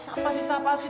siapa sih siapa sih